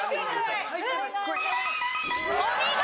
お見事！